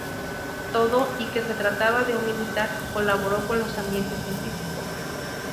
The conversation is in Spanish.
Todo y que se trataba de un militar, colaboró con los ambientes científicos.